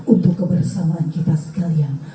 untuk kebersamaan kita sekalian